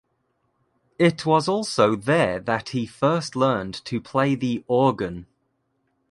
It was also there that he first learned to play the organ.